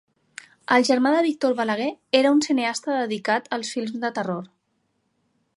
El germà de Víctor Balaguer era un cineasta dedicat als films de terror.